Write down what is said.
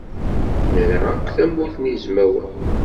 Nra akk Tamurt n Yizwawen.